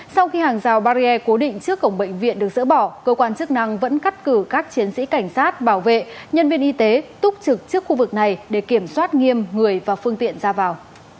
sau khi hàng rào barrier cố định trước cổng bệnh viện được dỡ bỏ cơ quan chức năng vẫn cắt cử các chiến sĩ cảnh sát bảo vệ nhân viên y tế túc trực trước khu vực này để kiểm soát nghiêm người và phương tiện ra vào